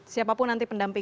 siapapun nanti pendamping